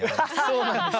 そうなんです。